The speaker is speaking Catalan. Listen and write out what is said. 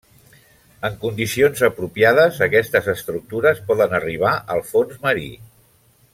En condicions apropiades, aquestes estructures poden arribar al fons marí.